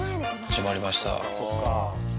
始まりました。